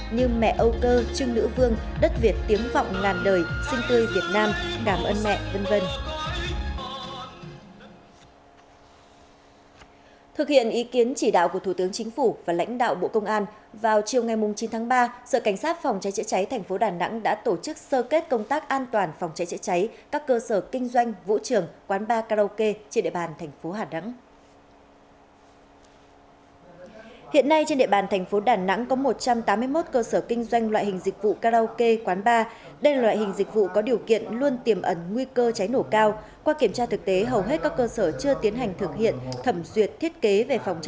như mẹ âu cơ trưng nữ vương đất việt tiếng vọng ngàn đời sinh tư việt nam cảm ơn mẹ v v